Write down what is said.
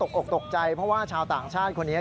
อกตกใจเพราะว่าชาวต่างชาติคนนี้